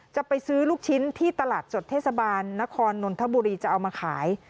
จะไปซื้อลูกชิ้นที่ตลาดสดเทศบาลนครนนทบุรีจะเอามาขาย